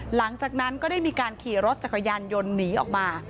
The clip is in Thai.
หลังจากนั้นก็ได้มีการขี่รถจักรยานยนต์หนีออกมา